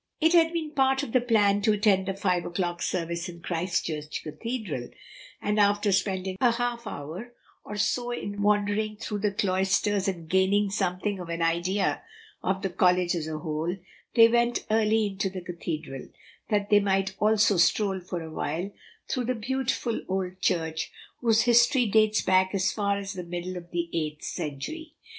It had been part of the plan to attend the five o'clock service in Christ Church Cathedral; and after spending a half hour or so in wandering through the cloisters and gaining something of an idea of the college as a whole, they went early into the cathedral, that they might also stroll for a while through the beautiful old church whose history dates as far back as the middle of the eighth century.